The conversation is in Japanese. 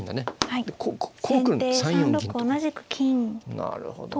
なるほどね。